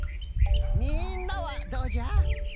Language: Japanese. みんなはどうじゃ？